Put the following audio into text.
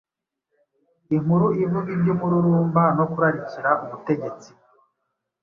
inkuru ivuga iby’umururumba no kurarikira ubutegetsi